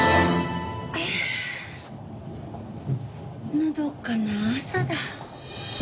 のどかな朝だ。